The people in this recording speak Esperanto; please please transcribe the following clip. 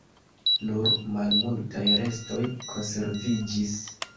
Nur malmultaj restoj konserviĝis.